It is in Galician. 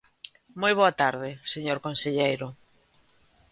Moi boa tarde, señor conselleiro.